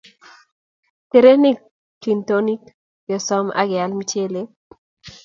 Terenik kintonik kesoom ak keal michelee.